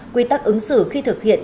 quy tắc ứng xử khi thực hiện